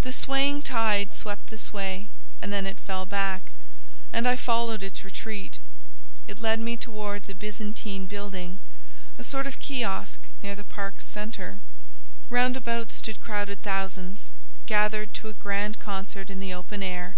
The swaying tide swept this way, and then it fell back, and I followed its retreat. It led me towards a Byzantine building—a sort of kiosk near the park's centre. Round about stood crowded thousands, gathered to a grand concert in the open air.